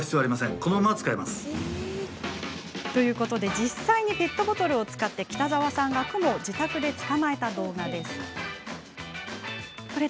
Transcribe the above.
実際にペットボトルを使って北沢さんがクモを自宅で捕まえた動画です。